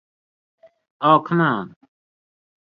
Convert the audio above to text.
Oh come on!